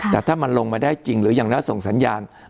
แต่ถ้ามันลงมาได้จริงหรือยังแล้วส่งสัญญาณส่วนสร้างต่อ